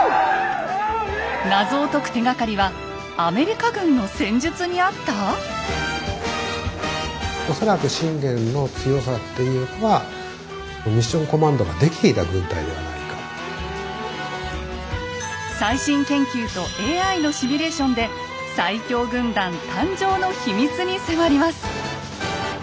謎を解く手がかりはアメリカ軍の戦術にあった⁉恐らく信玄の強さっていうのは最新研究とＡＩのシミュレーションで最強軍団誕生の秘密に迫ります。